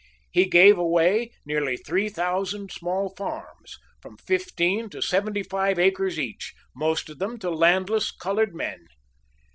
He gave away nearly three thousand small farms, from fifteen to seventy five acres each, most of them to landless colored men.